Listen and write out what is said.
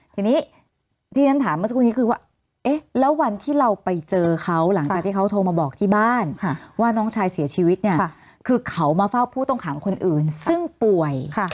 ทีนี้ที่ฉันถามเมื่อสักครู่นี้คือว่าเอ๊ะแล้ววันที่เราไปเจอเขาหลังจากที่เขาโทรมาบอกที่บ้านว่าน้องชายเสียชีวิตเนี่ยคือเขามาเฝ้าผู้ต้องขังคนอื่นซึ่งป่วย